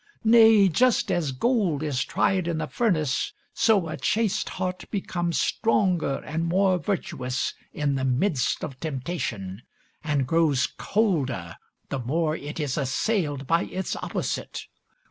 Nay, just as gold is tried in the furnace, so a chaste heart becomes stronger and more virtuous in the midst of temptation, and grows colder the more it is assailed by its opposite.